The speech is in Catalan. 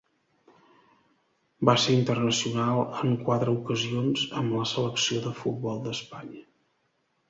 Va ser internacional en quatre ocasions amb la selecció de futbol d'Espanya.